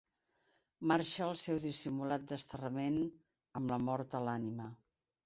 Marxà al seu dissimulat desterrament amb la mort a l'ànima.